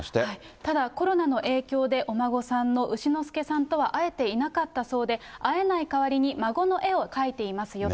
ただ、コロナの影響で、お孫さんの丑之助さんとは会えていなかったそうで、会えない代わりに孫の絵を描いていますよと。